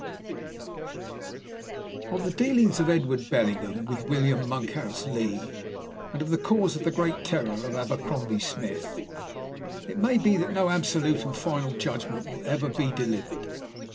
249. Of the dealings of Edward Bellingham with William Monkhouse Lee, and of the cause of the great terror of Abercrombie Smith, it may be that no absolute and final judgment will ever be delivered.